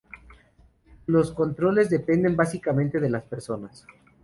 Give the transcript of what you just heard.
Los controles dependen básicamente de las personas.